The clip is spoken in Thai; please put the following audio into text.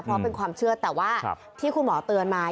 เพราะเป็นความเชื่อแต่ว่าที่คุณหมอเตือนมา